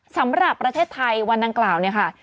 สำหรับประเทศไทยวันดังกล่าวเนี่ยค่ะ